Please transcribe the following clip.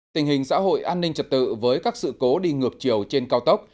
tình hình xã hội an ninh trật tự với các sự cố đi ngược chiều trên cao tốc